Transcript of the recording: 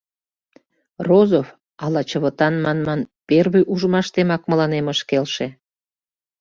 Розов, ала Чывытан манман, первый ужмаштемак мыланем ыш келше.